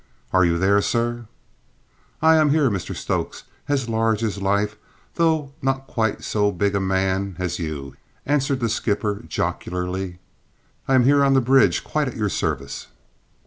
"Are you there, sir?" "Aye, here I am, Mr Stokes, as large as life, though not quite so big a man as you," answered the skipper jocularly. "I am here on the bridge, quite at your service."